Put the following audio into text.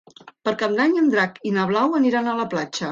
Per Cap d'Any en Drac i na Blau aniran a la platja.